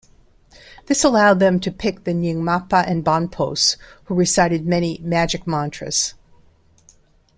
This allowed them to pick the Nyingmapa and Bonpos, who recited many magic-mantras.